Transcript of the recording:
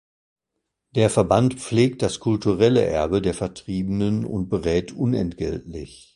Der Verband pflegt das kulturelle Erbe der Vertriebenen und berät unentgeltlich.